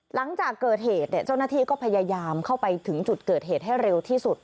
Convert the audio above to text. หลังจากเกิดเหตุเจ้าหน้าที่ก็พยายามเข้าไปถึงจุดเกิดเหตุให้เร็วที่สุด